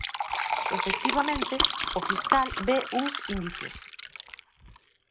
Efectivamente, o fiscal ve uns indicios.